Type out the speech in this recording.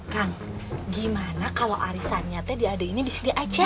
kang gimana kalau arisannya tedi ada ini di sini aja